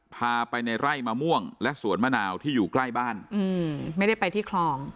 พาไปในไร่มะม่วงและสวนมะนาวที่อยู่ใกล้บ้านอืมไม่ได้ไปที่คลอง